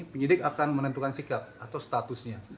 penyidik akan menentukan sikap atau statusnya